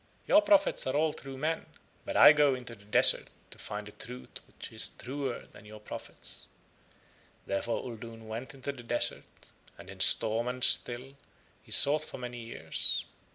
Your prophets are all true men, but I go into the desert to find a truth which is truer than your prophets." Therefore Uldoon went into the desert and in storm and still he sought for many years.